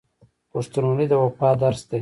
پښتونولي د وفا درس دی.